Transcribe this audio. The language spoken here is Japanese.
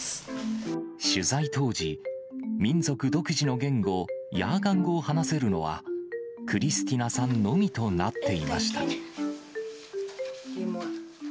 取材当時、民族独自の言語、ヤーガン語を話せるのは、クリスティナさんのみとなっていました。